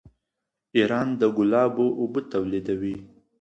ایران د ګلابو اوبه تولیدوي.